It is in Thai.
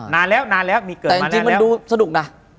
นานแล้วนานแล้วมีเกิดแต่จริงมันดูสนุกนะ